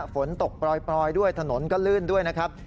ฝนตกปล่อยด้วยถนนก็ลื่นด้วยนะครับ